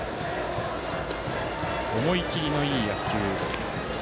思い切りのいい野球。